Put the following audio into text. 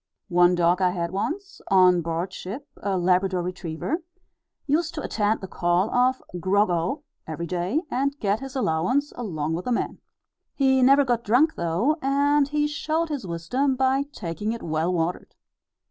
One dog I had once, on board ship a Labrador retriever used to attend the call of "Grog O!" every day, and get his allowance along with the men. He never got drunk though, and he showed his wisdom by taking it well watered.